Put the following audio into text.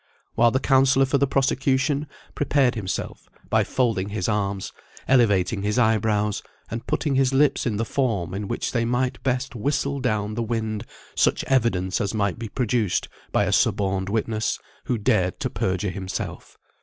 while the counsellor for the prosecution prepared himself by folding his arms, elevating his eyebrows, and putting his lips in the form in which they might best whistle down the wind such evidence as might be produced by a suborned witness, who dared to perjure himself.